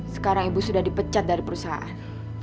sekarang ibu sudah dipecat dari perusahaan